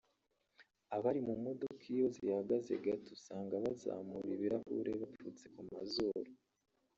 abari mu modoka iyo zihagaze gato usanga bazamura ibirahure bapfutse ku mazuru